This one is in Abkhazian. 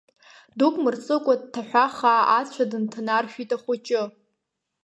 Дук мырҵыкәа дҭаҳәахаа ацәа дынҭанаршәит ахәыҷы.